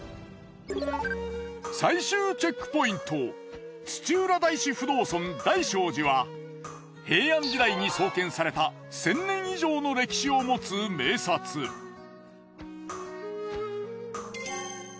最終チェックポイント土浦大師不動尊大聖寺は平安時代に創建された千年以上の歴史を持つ名刹。来ましたよ。